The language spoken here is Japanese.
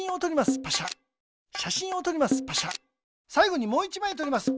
さいごにもう１まいとります。